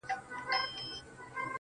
o په څو ځلي مي ستا د مخ غبار مات کړی دی.